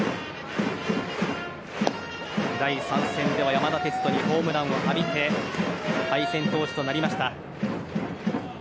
第３戦では山田哲人にホームランを浴びて敗戦投手となりました。